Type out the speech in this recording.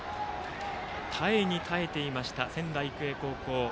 耐えに耐えていました仙台育英高校。